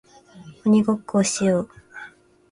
鬼ごっこをしよう